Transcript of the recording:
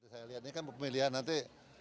saya lihat ini kan pemilihan nanti